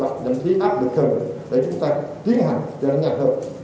và đảm thí áp lực hơn để chúng ta tiến hành cho nó nhạt hơn